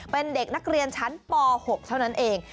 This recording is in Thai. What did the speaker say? เป็นเด็กนักเรียนชั้นป๖เท่านั้นเอง